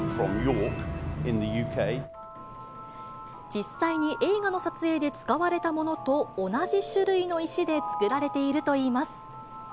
実際に映画の撮影で使われたものと同じ種類の石で作られているといいます。